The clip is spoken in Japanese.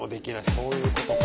そういうことか。